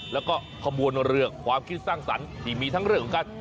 แล้วก็ขบวนเรือความคิดสร้างสรรค์ที่มีทั้งเรื่องของการ